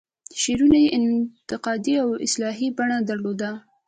شعرونو یې انتقادي او اصلاحي بڼه درلوده.